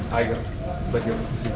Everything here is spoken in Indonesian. bagian luar di sini